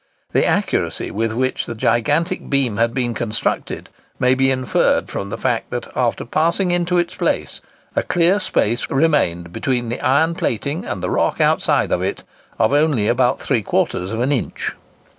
The accuracy with which the gigantic beam had been constructed may be inferred from the fact that, after passing into its place, a clear space remained between the iron plating and the rock outside of it of only about three quarters of an inch!